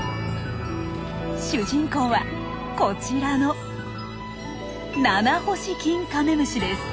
主人公はこちらのナナホシキンカメムシです。